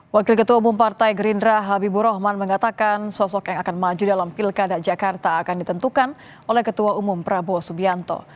wakil ketua umum partai gerindra habibur rahman mengatakan sosok yang akan maju dalam pilkada jakarta akan ditentukan oleh ketua umum prabowo subianto